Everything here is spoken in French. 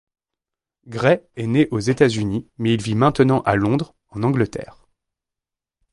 Grey est né aux États-Unis, mais il vit maintenant à Londres, en Angleterre.